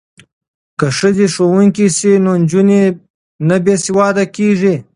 که ښځې ښوونکې شي نو نجونې نه بې سواده کیږي.